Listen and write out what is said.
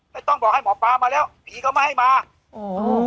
ไม่ต้องบอกให้หมอปลามาแล้วผีเขาไม่ให้มาโอ้โห